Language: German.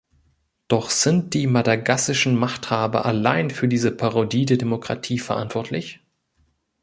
Doch sind die madagassischen Machthaber allein für diese Parodie der Demokratie verantwortlich?